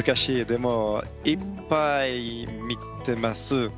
でもいっぱい見てます。